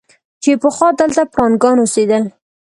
چې پخوا دلته پړانګان اوسېدل.